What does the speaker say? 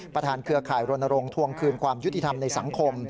เครือข่ายรณรงค์ทวงคืนความยุติธรรมในสังคม